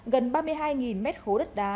gần ba mươi hai mét khố đất đá